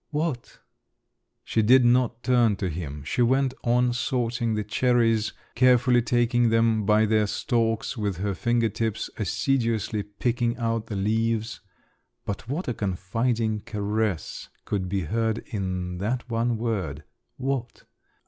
"What?" She did not turn to him, she went on sorting the cherries, carefully taking them by their stalks with her finger tips, assiduously picking out the leaves…. But what a confiding caress could be heard in that one word, "What?"